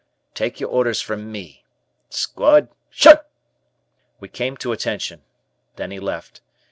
Take your orders from me. Squad 'Shun!" We came to attention. Then he left.